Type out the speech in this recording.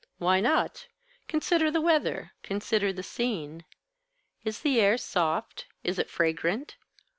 Why not? Consider the weather consider the scene. Is the air soft, is it fragrant?